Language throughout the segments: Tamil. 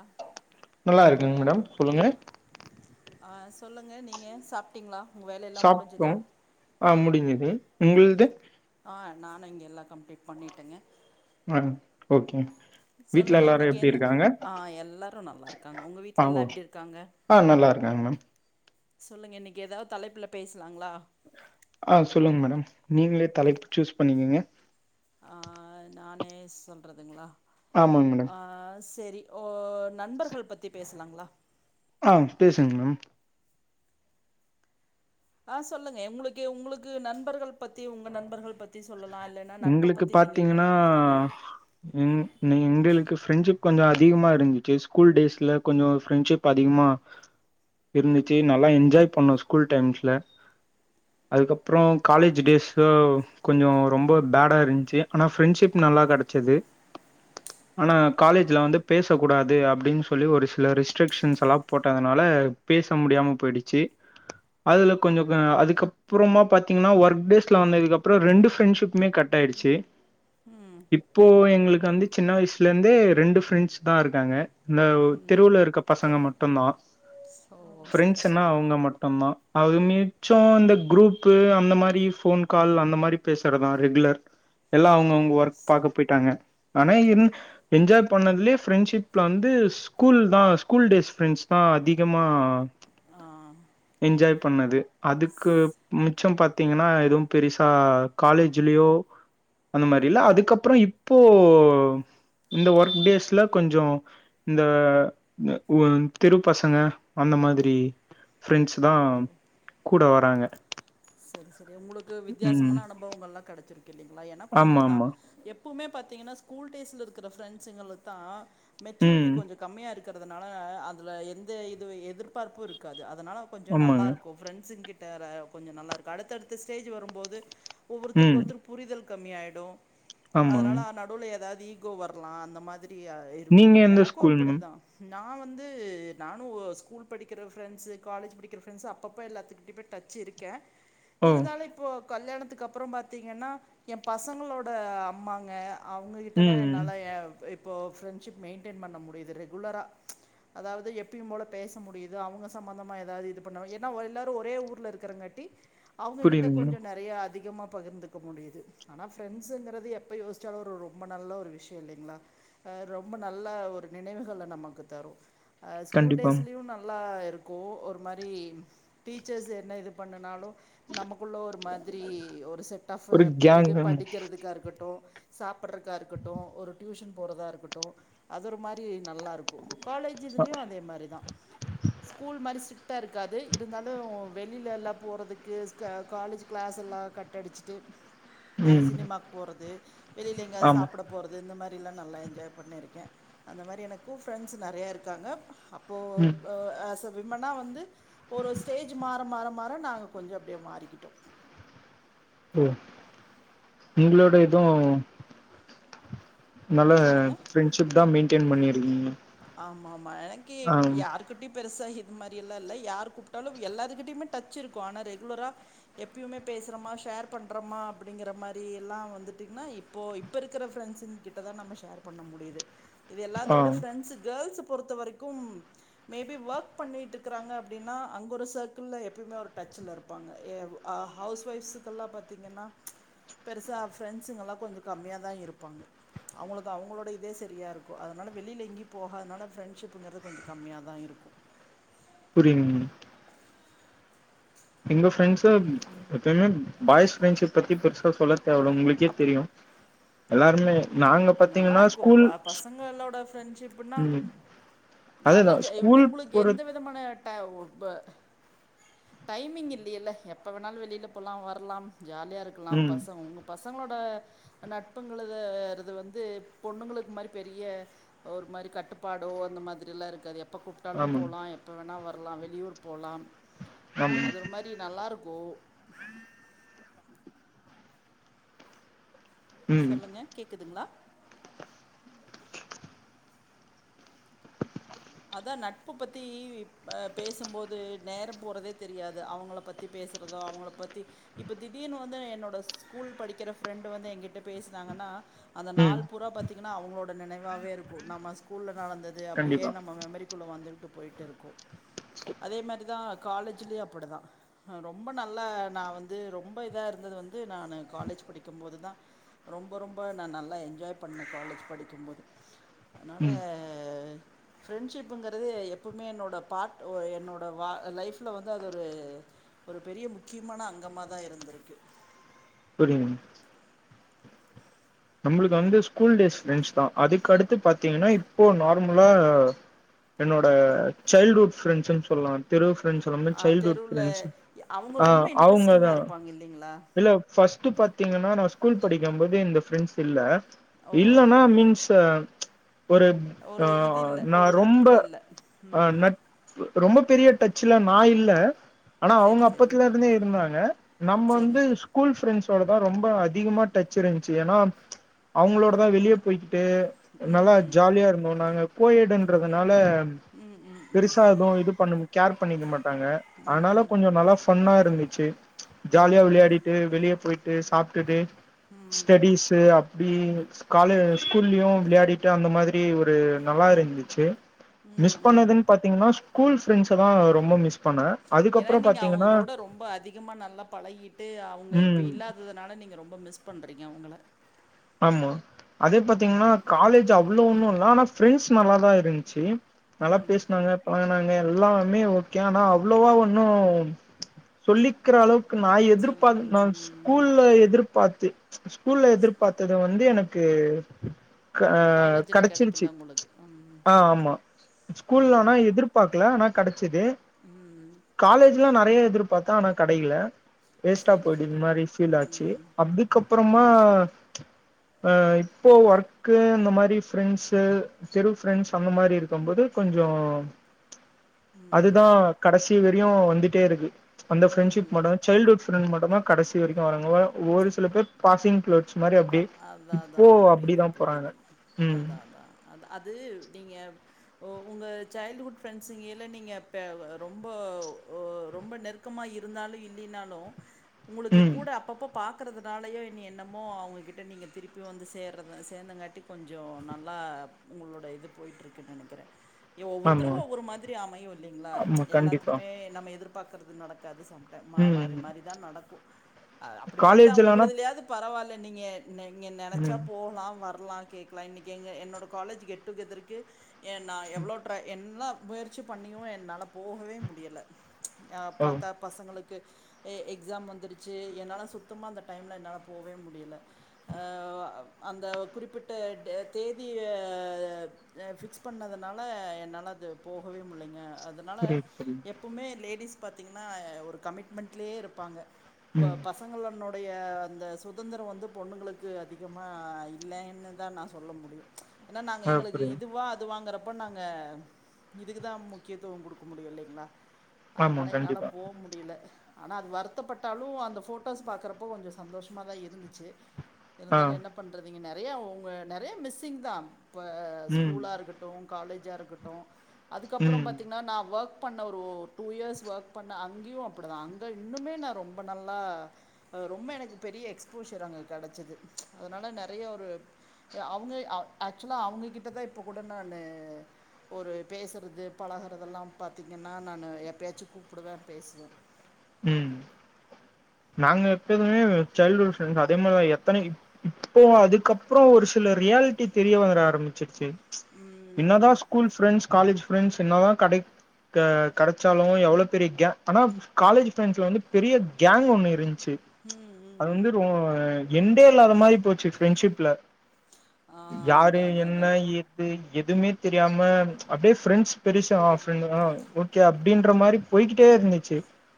ஆ நல்லா இருக்கங் மேடம் சொல்லுங்க ஆ சொல்லுங்க நீங்க சாப்ட்டீங்ளா உங்க வேல எல்லா சாப்ட்டோ முடிஞ்சதா ஆ முடிஞ்சுது உங்கள்து ஆ நானு இங்க எல்லா கம்ப்ளீட் பண்ணிட்டங்க அ ஓகே வீட்ல சொல்லுங்க எல்லாரு இன்னக்கு எப்டி என்ன இருக்காங்க ஆ எல்லாரு நல்லா ருக்காங்க உங்க ஆ வீட்ல ஓ எல்லா எப்டி இருக்காங்க ஆ நல்லா ருக்காங் மேம் சொல்லுங்க இன்னக்கி ஏதாவ் தலைப்புல பேசலாங்ளா ஆ சொல்லுங்க மேடம் நீங்களே தலைப்பு சூஸ் பண்ணிக்கிங்க ஆ நானே சொல்றதுங்களா ஆமாங்க மேடம் ஆ செரி ஓ நண்பர்கள் பத்தி பேசலாங்ளா ஆ பேசுங்க மேம் ஆ சொல்லுங்க உங்களுக்கு உங்களுக்கு நண்பர்கள் பத்தி உங்க நண்பர்கள் பத்தி சொல்லலா இல்லன் உங்களுக்கு பாத்தீங்னா எங்களுக்கு ஃப்ரெண்ட்ஷிப் கொஞ்ச அதிகமா இருந்துச்சு ஸ்கூல் டேஸ்ல கொஞ்ச ஃப்ரெண்ட்ஷிப் அதிகமா இருந்துச்சு நல்லா என்ஜாய் பண்ணோ ஸ்கூல் டைம்ஸ்ல அதுக்கப்றோ காலேஜ் டேஸ்ல கொஞ்சோ ரொம்ப பேடா இருந்ச்சு ஆனா ஃப்ரெண்ட்ஷிப் நல்லா கெடச்சது ஆனா காலேஜ்ல வந்து பேச கூடாது அப்டின்னு சொல்லி ஒரு சில ரிஸ்ட்ரிக்ஷன்ஸ் எல்லா போட்டதுனால பேச முடியாம போயிடுச்சு அதுல கொஞ்சொ அதுக்கப்புறமா பாத்தீங்கன்னா ஒர்க் டேஸ்ல வந்ததுக்குப்பறோ ரெண்டு பிரெண்ட்ஸி ப்புமே கட் ஆயடுச்சு இப்போ எங்களுக்கு வந்து சின்ன வயசுலருந்தே ரெண்டு ஃப்ரெண்ட்ஸ் தா இருக்காங்க இந்த திருவள்ளுர் ருக்க பசங்க மட்டும் தா ஓ சரி ஃரெண்ட்ஸ்ஸுனா சரிங்க அவங்க மட் ஆம்ம அது மிச்சோ இந்த குரூப்பு அந்த மாரி போன் கால் அந்த மாரி பேச க்கறதா ரெகுலர் எல்லா அவங் அவங்க ஓ ஒர்க் ஸ்- பாக்க போயிட்டாங்க ஆனா இந் எஜ்ஜாய் பண்ணதுலயே ஃப்ரெண்ட்ஷிப்ல வந்து ஸ்கூல் தா ஸ்கூல் டேஸ் ஃப்ரெண்ட்ஸ் தா அதிகமா ஆ என்ஜாய் பண்ணது அதுக்கு மிச்சம் பாத்தீங்கன்னா எதுவும் பெருசா காலேஜிலேயோ அந்த மாரி இல்ல அதுக்கப்பறோ இப்போ இந்த ஒர்க் டேஸ்ல கொஞ்சோ இந்த வ தெருப்பசங்க அந்த மாதிரி ஃப்ரெண்ட்ஸ் தா கூட வராங்க செரி செரி உங்களுக்கு ம். வித்தியாசமான அனுபவங்கள்‌லா கெடச்சிருக்கு இல்லைங்ளா எனக்கு அப்டி தா ஆமாமா. எப் எப்புமே பாத்தீங்கன்னா ஸ்கூல் டேஸ்ல இருக்கற ஃப்ரெண்ட்ஸ்சுங்களுக்கு தா மெச்சூரிட்டி ம். கெஞ்சோ கம்மியா இருக் இருக்கறதுனால அதுல எந்த இதுவு எதிர்பார்ப்பு இருக்காது அதனால கொஞ்சோ நல்லா ஆமாங்க. இருக்கு ஃபிரெண்ட்ஸ் கிட் சேற கொஞ்சோ நல்லா இருக்கு அடுத்தடுத்த ஸ்டேஜ் வரும் போது ஒவ்வொருத்தருக்கு ம். ஒருத்தருக் புரிதல் கம்மி ஆயிடு ஆமாங்க. அதனால நடுவுல ஏதாது ஈகோ வரலா அந்த மாதிரி அ இருக்கு நீங்க பட் எந்த எனக்கு ஸ்கூல் மேம்? அப்படித்தா நா வந்து நானு ஸ்கூல் படிக்கிற ஃப்ரெண்ட்ஸ்சு காலேஜ் படிக்கிற ஃப்ரெண்ட்ஸ்சு அப்பப்ப எல்லாத்துக்கிட்டயு போயிட் டச்சு இருக்கே ஓ! இருந்தாலு இப்போ கல்யாணத்துக்கு அப்றோ பாத்தீங்கன்னா எயா பசங்களோட அம்மாங்க அவுங்ககிட்ட தா ம். என்னால இப்போ ஃப்ரெண்ட்ஷிப் மெயின்டென் பண்ண முடியிது ரெகுலரா அதாது எப்பயும் போல பேச முடியுது அவுங்க சம்மந்தமா ஏதாது இது பண்ணுவே என்னா எல்லோருமே ஒரே ஊரூல இருக்கறங்காட்டி அவுங்ககிட்ட புரியுதுங்க கொஞ்சோ மேம். நெறைய அதிகமா பகிர்ந்து இருக்க முடியுது ஆனா ஃபிரெண்ட்ஸ்சுங்கிறது எப்ப யோச்சாலு ஒரு ரொம்ப நல்ல ஒரு விஷயோ இல்லைங்களா அ ரொம்ப நல்ல ஒரு நினைவுகள நமக்கு தரு அ ஸ்கூல் கண்டிப்பா. டேஸ்லயு நல்லா இருக்கு ஒரு மாரி டீச்சர்ஸ் என்ன இது பண்ணுனாலு நமக்குள்ளே ஒரு மாதிரி ஒரு செட் ஆஃப் ஒரு கேங் இது ஆமா. படிக்கிறதுக்கா இருக்கட்டு சாப்பட்றக்கா இருக்கட்டு ஒரு டியூஷன் போறதா இருக்கட்டு அது ஒரு மாரி நல்லா இருக் காலேஜ் அ இதுலயு அதே மாரிதா ஸ்கூல் மாரி ஸ்ட்ரிக்டா இருக்காது இருந்தாலு வெளிலல்லா போறதுக்கு க காலேஜ் கிளாஸ் எல்லா கட்ட அடிச்சிட்டு அ ம். சினிமாக் போறது வெளில எங்கேயாது ஆமா. சாப்டப் போறது இந்த மாரில்லா நல்லா என்ஜாய் பண்ணியிருக்கே அந்த மாரி எனக்கு ஃப்ரெண்ட்ஸ் நெறையா இருக்காங்க அப் இப்போ ம். அஸ்ஸ விமனா வந்து ஒரு ஸ்டேஜ் மாற மாற மாற நாங்க கொஞ்சோ அப்டியே மாறிக்கிட்டோ ஓ எங்களோட இது நல்ல சொல்லுங்கள் பிரண்ட்ஷிப் தா மெயின்டென் பண்ணிருக்கீங்க ஆமா ஆமா எனக்கே இப் யாருக் குட்டி பெருசா இது மாரியல்லா இல்ல யார் கூப்டாலு எல்லாருகிட்டயுமே டச் இருக்கு ஆனா ரெகுலரா எப்பயுமே பேசுறமா ஷேர் பண்றமா அப்டிங்கிற மாரி எல்லா வந்துட்டீங்னா இப் இப்போ இப்ப இருக்கற பிரண்ஸிங்கிட்ட தா நம்ம ஷேர் பண்ண முடியுது இது ஆ. எல்லத்தோட ஒன்ஸ்சு கேர்ள்ஸ் பொறுத்த வரைக்கும் மேபி ஒர்க் பண்ணிட்டு இருக்கறாங்க அப்டின்னா அங்க ஒரு சர்க்கில்ல எப்பயுமே ஒரு டச்சில இருப் பாங்க ஏ அ ஹவுஸ் வைஃப்ஸ்கெல்லா பாத்தீங்கன்னா பெருசா ஃப்ரெண்ட்ஸ்சுங்கல்லா கொஞ்சோ கம்மியா தா இருப்பாங்க அவுங்களுக்கு அவுங்களோட இதே செரியா இருக்கு அதனால வெளில எங்கியு போகாதனால ஃப்ரெண்ட்ஷிப்புங்குறது கொஞ்சோ கம்மியா தா இருக்கு புரியுதுங் எங்க ஃப்ரெண்ட்ஸ்சூ எப்பயுமே பாய்ஸ் ஃப்ரெண்ட்ஷிப் பத்தி பெருசா சொல்ல தேவல்ல உங்களுக்கே அப்ப தெரியு எல்லாருமே நாங்க பாத்தீங்கன்னா நல்லாருக்கு ஸ்கூல் பசங்களோட ஃப்ரெண்ட்ஷிப்னா ம். நல்ல அதேதான். ஜை ஸ்கூல் உங்ளுக்கு போற எந்த விதமான ட்ட உப் டைமிங் இல்லையல்ல எப்ப வேணாலு வெளியில போலா வரலா ஜாலியா இருக் கலா ம் பச பசங்ளோட நட்புங்களது இரு அது வந்து பொண்ணுங்களுக்கு மாரி பெரிய ஒரு மாரி கட்டுப்பாடோ அந்த மாதிரிலா இருக்காது எப்போ கூப் டாலு ஆமாங்க போலா எப்போ வேணா வர்லா வெளியூர் போலா ஆமாங்க அது ஒரு மாரி நல்லாருக்கு ம் சொல்லுங்க கேக்குதுங்ளா அதா நட்பு பத்தி பேசும்போது நேரோ போறதே தெரியாது அவங்கள பத்தி அவங்கள பத்தி பேசுறதோ அவங்கள பத்தி இப்ப திடீர்னு வந்து என்னோட ஸ்கூல் படிக்கிற ஃப்ரெண்டு் வந்து என்கிட்ட பேசுனாங்கன்னா அந்த ம் நாள் பூரா பாத்தீங்கன்னா அவங்களோட நினைவாவே இருக்கு நம்ம ஸ்கூல்ல நடந்தது அப்படியே கண்டிப்பா மெமரிக்குள்ள வந்துட்டு போய்ட்டு இருக்கு அதே மாரிதா காலேஜ்லியு அப்டிதா ரொம்ப நல்லா நா வந்து ரொம்ப இதா இருந்தது வந்து நானு காலேஜ் படிக்கும்போதுதா ரொம்ப ரொம்ப நா நல்லா என்ஜாய் பண்ணே காலேஜ் படிக்கும்போது அதுனால ம் ஃப்ரெண்ட்ஷிப்புங்கறது எப்பவுமே என்னோட பார்ட் என்னோட வா லைஃப்ல வந்து அது ஒரு ஒரு பெரிய முக்கியமான அங்கமா தா இருந்திருக்கு புரியுதுங்க நம்ளுக்கு வந்து ஸ்கூல் டேஸ் பிரெண்ட்ஸ் தா அதுக்கடுத்து பாத்திங்கன்னா இப்போ நார்மலா என்னோட சைல்ட்ஹுட் ஃப்ரெண்ட்ஸ்ன்னு சொல்லா தெரு ஃப்ரெண்ட்ஸ் வந்து ஆ சைல்ட்ஹுட் தெருவுல ஃப்ரெண்ட்ஸ் அவங்க ஆ ரொம்ப அவுங்க இன்ட்ரெஸ்ட்டிங்கா தா இருப்பாங்க இல்லைங்களா இல்ல ஃபஸ்ட் பாத்திங்கன்னா நா ஸ்கூல் படிக்க போது இந்த ஃப்ரெண்ட்ஸ் இல்ல ஓ இல்லன்னா மீன்ஸ் ஒரு ஆ ஒரு இது இல்ல நா ஒரு ரொம்ப நட்புல இல்ல அ ம் நட் ரொம்ப பெரிய டச்சுல நா இல்ல ஆனா அவுங்க சேரி சேரிங்க அப்பத்துல இருந்தே இருந்தாங்க நம்ம சேரி வந்து ஸ்கூல் ஃப்ரெண்ட்ஸோட தா ரொம்ப அதிகமா டச் இருந்துச்சு ஏன்னா அவுங்களோட தா வெளியே போய்கிட்டு நல்லா ம். ஜாலியா இருந்தோ நாங்க கோயடுன்றதுனால ம், ம், பெருசா எதுவு இது பண்ண கேர் பண்ணிக்க மாட்டாங்க அதனால கொஞ்சோ நல்லா ஃபன்னா இருந்துச்சு ஜாலியா விளையாடிட்டு வெளியே போய்ட்டு சாப்ட்டுட்டு ஸ்டடிஸ்ஸூ அப் அப்டி கால ஸ்கூல்லியு விளையாடிட்டு அந்த மாதிரி ஒரு நல்லா இருந்துச்சு ம், மிஸ் ம். பண்ணதுன் பாத்திங்ன்னா ஸ்கூல் ப்ரண்ட்ஸதா ரொம்ப மிஸ் பண்ணே ஏனா அதுக்கப்புறோ நீங்க அவுங்க பாத்தீங்கன்னா கூட ரொம்ப அதிகமா நல்லா பழகிட்டு அவங்க இப்ப ம் இல்லாத தனால நீங்க ரொம்ப மிஸ் பண்றீங்க அவுங்கள ஆமா அதே பாத்திங்ன்னா காலேஜ் அவ்வளோ ஒன்னு இல்ல ஆனா ஃப்ரெண்ட்ஸ் நல்லாதா இருந்துச்சு நல்லா ம். பேசுனாங்க பழகுனாங்க எல்லாமே ஓகே ஆனா அவ்வளவா ஒண்ணு சொல்லிக்ற அளவுக்கு நா சொல்லி. எதிர்பார் நா ம். ஸ்கூல்ல எதிர்பார்த்து ஸ்கூல்ல எதிர் இது வந்து எனக்கு அ ம். காலேஜ்ல கெடச்சிருச்சு கெடைக்கல உங்களுக்கு. ம். ஆ ஆமா ஸ்கூல்ல ம். ஆனா எதிர்ப் பாக்ல ஆனா கெடைச்சிது ம். காலேஜ்லா நெறைய எதிர்பார்த்தா ஆனா கெடைக்ல வேஸ்ட்டா சரி, பொய்ட்டு இருந்த சரி. மாரி ஃபீல் ஆச்சு ம். அதுக்கப்றமா அ இப்போ ஒர்க்கு அந்த மாரி ஃப்ரெண்ட்ஸ் தெரு ஃப்ரெண்ட்ஸ் அந்த மாரி இருக்கும்போது கொஞ்சோ ம். அதுதா கடைசி வரையு வந்துட்டே இருக்கு அந்த ஃப்ரெண்டஷிப் ம். மட்டத சைல்டுவுட் ஃப்ரண்ட் மட்டதா கடைசி வரைக்கு வராங்க வ ஒரு சில பேர் பாசிங்ளோட்ச் ப அதா அதா புரியிது போறாங்க புரியிது ம் அதா அதா அதா அது நீங்க ஒ உங்க சைல்ட் வுட் பிரெண்ட்ஸ்ங்கில நீங்க பே ரொம்ப ரொம்ப நெருக் கமா இருந்தாலு இல்லினாலு உங்குளுக்கு ம் கூட அப்பப்ப பாக்கறதுனாலயோ இனி என்னமோ அவுங் உங்க கிட்ட நீங்க திருப்பி வந்து சேரத சேந்தங்காட்டி கொஞ்சோ நல்லா உங்களோட இதுப் போய்ட்ருக் க்கு நெனைக்கிறே எ ஆமா ஒவ்வொருத்தருக்கு ஒவ்வொரு மாதிரி அமையு இல்லிங்ளா ஆமா கண்டிப்பா எல்லாத்துக்குமே நம்ம எதிர்பார்க்கறது நடக்காது சம் ட மா மாரி ம் மாரிதா நடக்கு அ அப்டி பாத்தா காலேஜ்லனா உங்ளுதுலியாவது பரவால்ல நீங்க நெங்க ம் நெனச்சாப் போகலா வர்லா கேக்லா இன்னைக்கி எங்க என்னோட காலேஜ் கெட் டு கெதருக்கே எ நா எவ்ளோ ட்ரை என்லா முயற்சிப் பண்ணியு என்னாலப் போகவே முடியல எப்ப ஓ தாப் பசங்ளுக்கு எ எக்ஸாம் வந்துருச்சு என்னால சுத்தமா அந்த டைம்ல என்னாலப் போவே முடியல அ அந்த குறிப்பிட்ட டே தேதிய அ ஃபிக்ஸ் பண்ணதனால என்னால அது போகவே முல்லைங்க அது னால புரியுது புரியுது எப்பவுமே லேடிஸ் பாத்தீங்கனா ஒரு கமிட்மெண்ட்லியே இருப்பாங்க வ ம் பச் பசங்களனுடைய அந்த சுத் சுதந்திரோ வந்து பொண்ணுங்களுக்கு அதிகமா இல்லைன்னுதா நா சொல்ல முடியு எனா நாங்க எங்களுக்கு அப்படி இதுவா அதுவாங்கறப் ப்ப நாங்க இதுகுதா முக்கியத்துவம் குடுக்க முடியு இல்லைங்ளா ஆமா அதனால என்னால கண்டிப்பா போ முட் டியல ஆனா அது வருத்தப்பட்டாலு அந்த போட்டோஸ் பாக்கறப்போ கொஞ்சோ சந்தோஷமாதா இருக் ருந்துச்சு ஆ இருந்தாலு என்னப் பண்றதிங்க நெறைய வுங்க நெறைய மிஸ்ஸிங்தா இப்ப ம் ஸ்கூலா இருக்கட்டு காலேஜா இருக்கட்டு அதுக்கப்பறம் ம் பாத்தீங்னா நா ஒர்க் பண்ண ஒரு டூ இயர்ஸ் ஒர்க் பண்ண அங்கியு அப்புடுதா அங்க இன்னுமே நா ரொம்ப நல்லா அ ரொம்ப எனக்கு பெரிய எக்ஸ்போஷர் அங்க கெடச்சது அதனால நெறைய ஒருப் எ அவுங்க அ ஆக்சுவலா அவுங்ககிட்டதா இப்போ கூட நானு ஒரு பேசறது பழகறதெல்லாம் பாத்திங்கனா நானு எப்பயாச்சு கூப்புடுவே பேசுவே ம் நாங்க எப்போதுமே சைல்டுவுட் ஃப்ரெண்ட்தா அதே மாரிதா எத்தன இப் இப்போ அதுக்கப்றோ ஒரு சில ரியாலிட்டி தெரிய வர ஆரம்பிச்சிருச்சி என்னதா ம் ஸ்கூல் ஃப்ரெண்டஸ் காலேஜ் ஃப்ரெண்ட்ஸ் என்னதா கடைக்க கெடச்சாலு எவ்ளோப் பெரியக் கே ஆனாப் காலேஜ் ஃப்ரெண்ட்ஸ்ல வந்து பெரிய கேங் ஒன்னு இருந்ச்சி ம் அது ம் வந்து ரொ என்டே இல்லாத மாரி போச்சி ஃப்ரெண்ட்ஷிப்ல ஆ யாரு அதான் அதான் என்ன அதான் எ து எதுமே தெரியாம அப்டியே ப்ரெண்ட்ஸ் பெருசா ஆ புரியுது ஃப்ரெண்ட்டு ஆ வுட் கே அப்டின்ற மாரிப் போய்கிட்டே இருந்துச்சி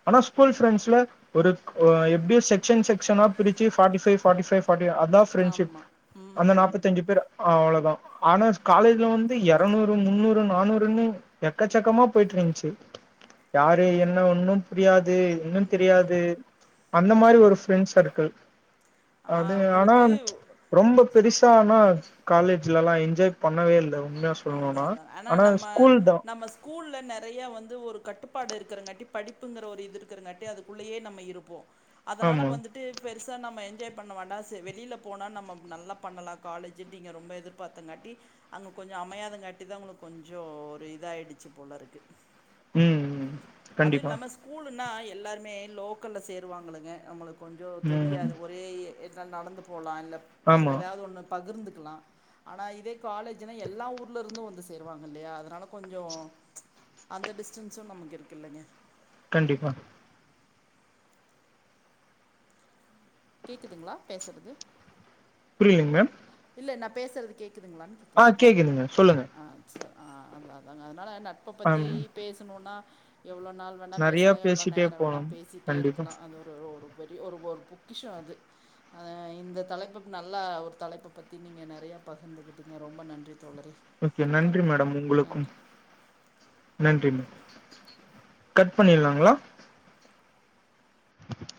ஆனா ஸ்கூல் ஃபிரெண்ட்ஸ்ல ஒருக் அ எப்டி செக்ஷன் செக்ஷனாப் பிரிச்சி forty five forty five forty அதா ஃபிரெண்ட்ஷிப் ஆமா அந்த ம் நாப்த்தஞ்சிப் பேர் அவ்ளதா ஆனாச் காலேஜ்ல வந்து எரநூறு முன்னூறு நானூறுன்னு எக்கச்சக்கமா போயட்ருந்துச்சு யாரு என்ன ஒன்னும் புரியாது இன்னுந் ம் தெரியாது அந்த மாரி ஒரு ஃபிரெண்ட்ஸ் சர்க்கிள் ஆ அது ஆனா உங்களுக்கு ரொம்பப் பெருசா ஆனா காலேஜ்லா எல்லா என்ஜாய் பண்ணவே இல்ல உண்மயா சொல்ணுனா ஆனா ஸ்கூல்தா கூல்ல நெறையா வந்து ஒரு கட்டுப்பாடு இருக்கிறங்காட்டி படிப்புங்கிற ஒரு இது இருக்கிறங்காட்டி அதுக்குள்ளியே நம்ம இருப்போ அதனால ஆமா வந்துட் விட்டு பெருசா நம்ம என்ஜாய் பண்ண வேண்டா சரி வெளில போனா நம்ம நல்லா பண்ணலா காலேஜ் ட்டிங் நீங்க ரொம்ப எதிர்பாத்தங்காட்டி அங்க கொஞ்சோ அமயாதங்காட்டி தா உங்களுக்கு கொஞ்சோ ஒரு இதாயிடுச்சு போல இருக்கு ம் ம் அதூ கண்டிப்பா இல்லாம ஸ்கூலுன்னா எல்லாருமே லோக்கல்ல சேருவாங்க இல்லங்க நம்மளுக்கு கொஞ்சோ ம் தெரியாத் ஒர் ஒரே எத்னா நடந்து போலா இல்ல ஆமா ஏதாவது ஒண்ணு பகிர்ந்துக்கலா ஆனா இதே காலேஜுன்னா எல்லா ஊர்ல இருந்தும் வந்து சேருவாங்க இல்லயா அதனால கொஞ்சோ அந்த டிஸ்டன்ஸும் நமக்கு இருக்கில்லைங்க கண்டிப்பா கேக்குதுங்களா பேசறது புர்ரிலிங் மேம் இல்ல நா பேசறது கேக்குதுங்களா கேக் ஆ கேக்குதுங்க சொல்லுங்க ச ஆ அதா அதாங்க அதனா நட்ப பத்தி ஆம் பேசணுன்னா எவ்ளோ நாள் வேணா நெறைய பேசலா எவ்ளோ பேசிட்டே நேர வேணா போலாம் பேசிட்டே கண்டிப்பா இருக்கலா அது ஒன் ஒரு பெரிய ஒரு ஒரு பொக்கிஷோ அது அ இந்த தலைப்புப் நல்ல ஒரு தலைப்பு பத்தி நீங்க நெறயா பகிர்ந்துக்கிட்டிங்க ரொம்ப நன்றி தோழரே ஓகே மறு நன்றி மேடம் உங்களுக்கும் நன்றி நன்றி மே கட் பண்ணிட்லாங்களா